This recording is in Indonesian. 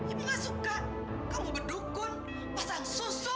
ibu nggak suka kamu berdukun pasang susu